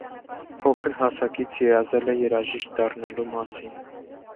Փոքր հասակից երազել է երաժիշտ դառնալու մասին։